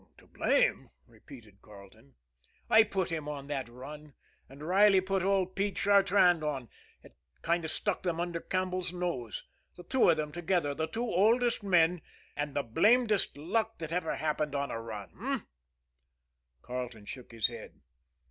"To blame?" repeated Carleton. "I put him on that run, and Riley put old Pete Chartrand on. It kind of stuck them under Campbell's nose. The two of them together, the two oldest men and the blamedest luck that ever happened on a run! H'm?" Carleton shook his head.